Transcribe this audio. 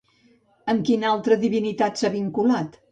Amb quina altra divinitat s'ha vinculat?